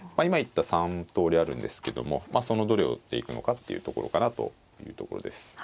今言った３通りあるんですけどもまあそのどれを打っていくのかっていうところかなというところです。